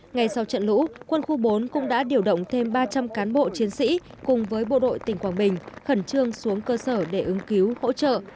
ngay sau trận lũ quân khu bốn cũng đã điều động thêm ba trăm linh cán bộ chiến sĩ cùng với bộ đội tỉnh quảng bình khẩn trương xuống cơ sở để ứng cứu hỗ trợ